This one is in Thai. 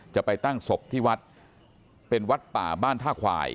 จะไปตั้งศพที่วัดเป็นวัดป่าบ้านท่าควาย